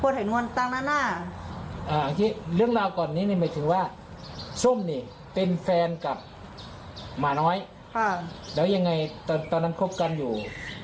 ตอนนั้นแม่หนูต้องระวังตอนนั้นคบกันอยู่